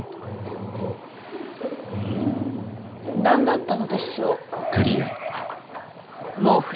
何だったのでしょう。